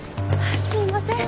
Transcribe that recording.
すいません。